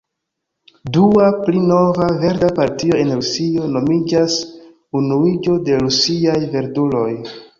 Dua, pli nova, verda partio en Rusio nomiĝas Unuiĝo de Rusiaj Verduloj.